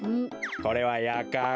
これはやかん。